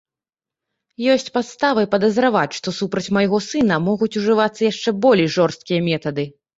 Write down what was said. Ёсць падставы падазраваць, што супраць майго сына могуць ужывацца яшчэ болей жорсткія метады.